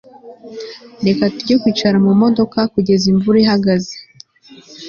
Reka tujye kwicara mumodoka kugeza imvura ihagaze